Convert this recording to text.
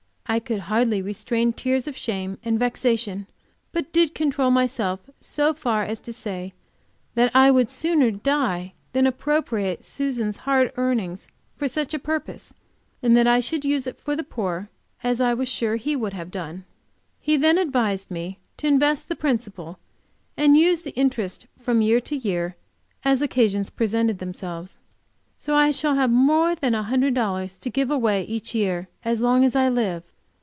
I could hardly restrain tears of shame and vexation, but did control myself so far as to say that I would sooner die than appropriate Susan's hard earnings to such a purpose, and that I should use it for the poor, as I was sure he would have done. He then advised me to invest the principal, and use the interest from year to year, as occasions presented themselves. So, I shall have more than a hundred dollars to give away each year, as long as I live!